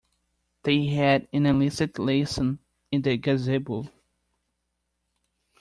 They had an illicit liaison in the gazebo.